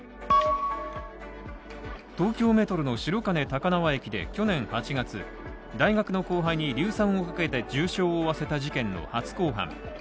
東京メトロの白金高輪駅で去年８月大学の後輩に硫酸をかけて重傷を負わせた事件の初公判。